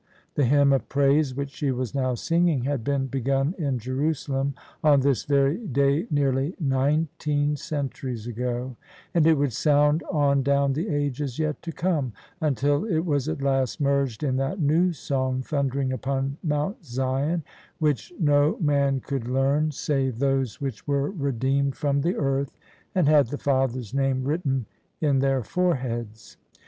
The hymn of praise which she was now singing had been begun in Jerusalem on this very day nearly nine teen centuries ago: and it would sound on down the ages yet to come, until it was at last merged in that new song thundering upon Mount Sion, which no man could learn THE SUBJECTION OF ISABEL CARNABY save those which were redeemed from the earth and had the Father's Name written in their foreheads.